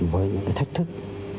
với những cái thách thức